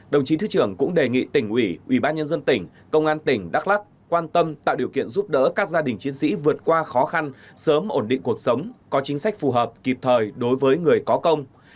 đồng chí thứ trưởng cũng đề nghị tỉnh ủy ubnd tỉnh công an tỉnh đắk lắc quan tâm tạo điều kiện giúp đỡ các gia đình chiến sĩ vượt qua khó khăn sớm ổn định cuộc sống có chính sách phù hợp kịp thời đối với người có công